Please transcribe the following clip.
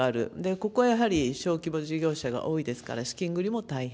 ここはやはり小規模事業者が多いですから、資金繰りも大変。